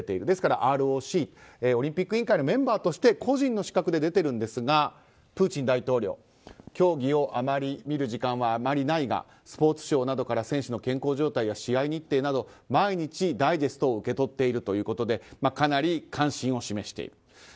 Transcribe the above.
ですから、ＲＯＣオリンピック委員会のメンバーとして個人の資格で出ているんですがプーチン大統領競技を見る時間はあまりないがスポーツ省などから選手の健康状態や試合日程など毎日ダイジェストを受け取っているということでかなり関心を示している。